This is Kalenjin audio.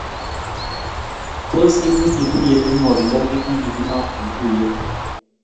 tos imuch ituye eng nuokindo kiit nekikimwa eng tuiye?